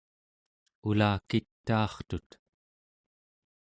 ulakitaartut